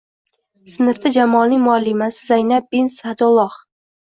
Sinfda Jamolning muallimasi Zaynab bint Sa`dulloh